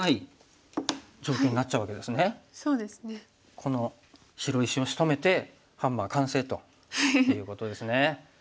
この白石をしとめてハンマー完成ということですね。